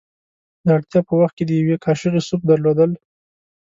د اړتیا په وخت کې د یوې کاشوغې سوپ درلودل.